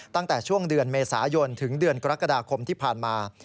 ตั้งแต่ช่วงเดือนเมษายนถึงเดือนกรกฎาคมที่ผ่านมา